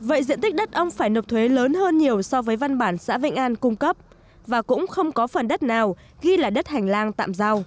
vậy diện tích đất ông phải nộp thuế lớn hơn nhiều so với văn bản xã vĩnh an cung cấp và cũng không có phần đất nào ghi là đất hành lang tạm giao